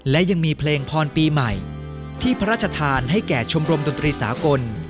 และยังมีเพลงพรปีใหม่ที่พระราชทานให้แก่ชมรมดนตรีสากล